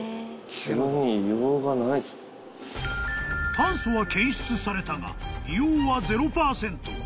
［炭素は検出されたが硫黄は０％］